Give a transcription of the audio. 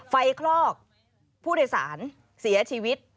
คลอกผู้โดยสารเสียชีวิต